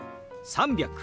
３００。